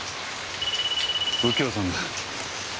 右京さんだ。